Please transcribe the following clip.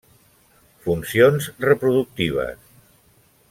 Funcions reproductives.